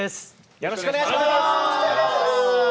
よろしくお願いします。